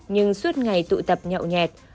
nhưng suốt ngày tụ tập nhậu nhẹt